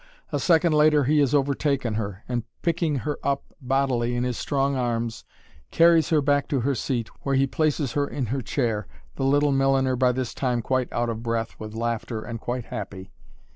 A second later he has overtaken her, and picking her up bodily in his strong arms carries her back to her seat, where he places her in her chair, the little milliner by this time quite out of breath with laughter and quite happy.